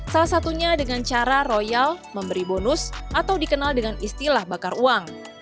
salah satunya dengan cara royal memberi bonus atau dikenal dengan istilah bakar uang